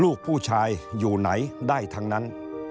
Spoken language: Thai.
ลูกผู้ชายอยู่ไหนได้ทั้งนั้น